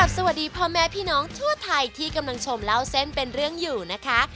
สวัสดีพ่อแม่พี่น้องทั่วไทยที่กำลังชมเล่าเส้นเป็นเรื่องอยู่นะคะ